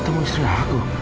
ketemu istri aku